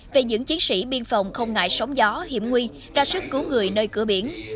về những chiến sĩ biên phòng không ngại sóng gió hiểm nguy ra sức cứu người nơi cửa biển